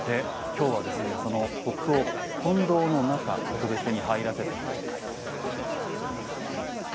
今日はその国宝、金堂の中特別に入らせてもらいます。